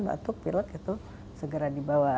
batuk pilek itu segera dibawa